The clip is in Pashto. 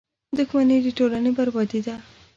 • دښمني د ټولنې بربادي ده.